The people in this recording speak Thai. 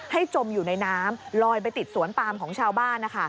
จมอยู่ในน้ำลอยไปติดสวนปามของชาวบ้าน